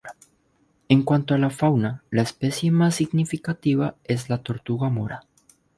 En cuanto a la fauna, la especie más significativa es la tortuga mora.